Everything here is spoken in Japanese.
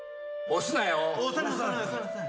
押すなよ！